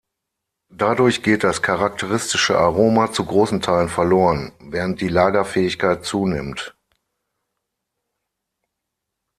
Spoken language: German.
Dadurch geht das charakteristische Aroma zu großen Teilen verloren, während die Lagerfähigkeit zunimmt.